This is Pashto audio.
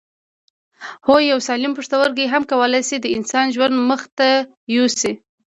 هو یو سالم پښتورګی هم کولای شي د انسان ژوند مخ ته یوسي